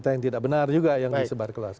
berita yang tidak benar juga yang disebar ke luar